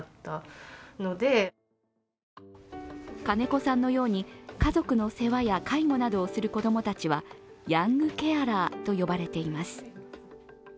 金子さんのように家族の世話や介護などをする子供たちはヤングケアラーと呼ばれています。